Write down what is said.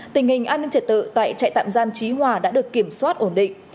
tình hình an ninh trật tự tại trại tạm giam trí hòa đã được kiểm soát ổn định